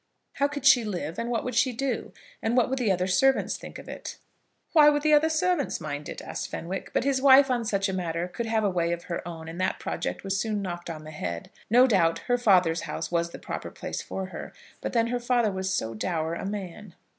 How could she live, and what would she do? And what would the other servants think of it? "Why would the other servants mind it?" asked Fenwick. But his wife on such a matter could have a way of her own, and that project was soon knocked on the head. No doubt her father's house was the proper place for her, but then her father was so dour a man.